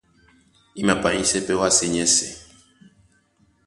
I mapanyísɛ́ pɛ́ wásē nyɛ́sɛ̄.